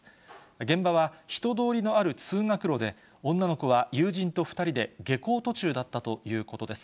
現場は人通りのある通学路で、女の子は友人と２人で下校途中だったということです。